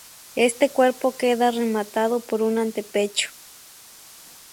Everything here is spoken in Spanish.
Este cuerpo queda rematado por un antepecho.